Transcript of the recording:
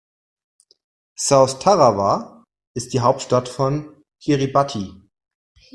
South Tarawa ist die Hauptstadt von Kiribati.